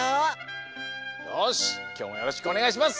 よしきょうもよろしくおねがいします。